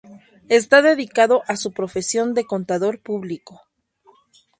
Está dedicado a su profesión de Contador público.